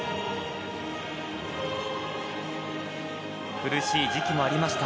苦しい時期もありました。